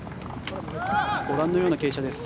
ご覧のような傾斜です。